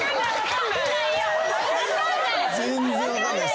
全然分かんないです。